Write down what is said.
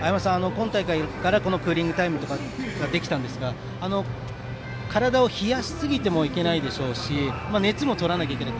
今大会からクーリングタイムができたんですが体を冷やしすぎてもいけないでしょうし熱も取らなきゃいけない。